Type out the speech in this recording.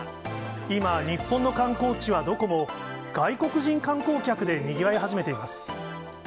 今、日本の観光地はどこも外国人観光客でにぎわい始めています。